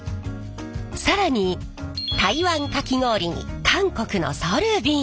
更に台湾かき氷に韓国のソルビン。